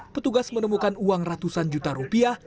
petugas menemukan uang ratusan juta rupiah